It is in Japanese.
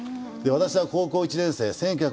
私は高校１年生